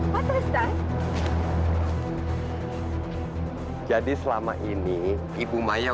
dia masih menghilangnya tuhan worms